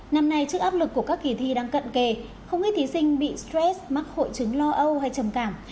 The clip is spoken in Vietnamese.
năm nay trước áp lực của các kỳ thi đang cận kề không ít thí sinh bị stress mắc hội chứng lo âu hay trầm cảm